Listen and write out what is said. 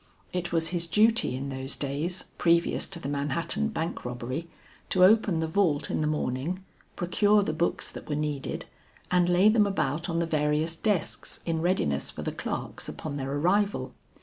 It was his duty in those days previous to the Manhattan Bank robbery, to open the vault in the morning, procure the books that were needed, and lay them about on the various desks in readiness for the clerks upon their arrival.